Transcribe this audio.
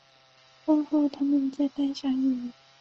婚后他们再诞下一女。